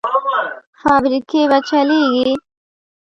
فابریکې به چلېږي؟